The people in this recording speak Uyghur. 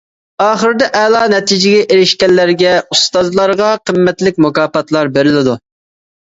ئاخىردا ئەلا نەتىجىگە ئېرىشكەنلەرگە، ئۇستازلارغا قىممەتلىك مۇكاپاتلار بېرىلىدۇ.